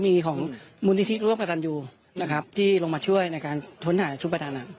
มีขอบรรยาที่มีของมุมนิธิบรึงกระทั่งอยู่นะครับ